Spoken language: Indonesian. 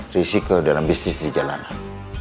risiko dalam bisnis di jalanan